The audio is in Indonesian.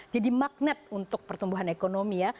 jadi magnet untuk pertumbuhan ekonomi ya